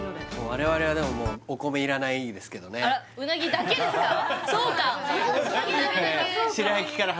我々はでももうお米いらないですけどねあら！